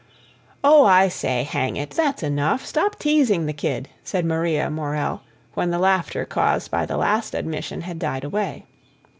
"Oh, I say, hang it, that's enough. Stop teasing the kid," said Maria Morell, when the laughter caused by the last admission had died away.